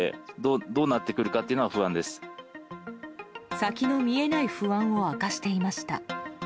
先の見えない不安を明かしていました。